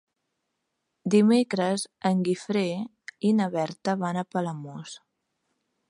Dimecres en Guifré i na Berta van a Palamós.